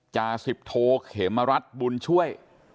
จาสิบโทเขมรัฐบุญช่วย